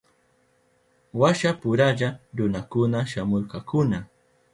Washapuralla runakuna shamurkakuna.